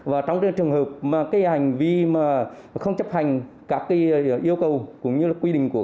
và trong cái trường hợp mà cái hành vi mà không chấp hành các cái yêu cầu cũng như là quy định của